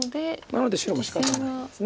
なので白もしかたないんです。